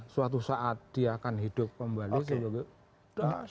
suatu saat dia akan hidup kembali